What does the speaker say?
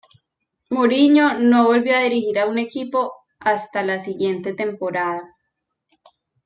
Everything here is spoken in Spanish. Mourinho no volvió a dirigir a un equipo hasta la siguiente temporada.